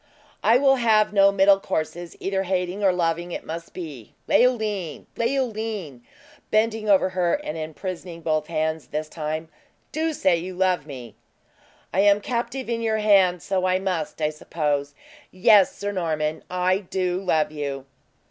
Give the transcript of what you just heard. "I will have no middle courses either hating or loving it must be! Leoline! Leoline!" (bending over her, and imprisoning both hands this time) "do say you love me!" "I am captive in your hands, so I must, I suppose. Yes, Sir Norman, I do love you!"